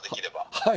はい